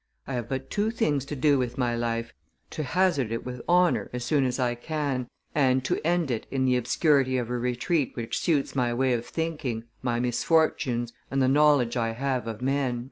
I have but two things to do with my life: to hazard it with honor, as soon as I can, and to end it in the obscurity of a retreat which suits my way of thinking, my misfortunes, and the knowledge I have of men."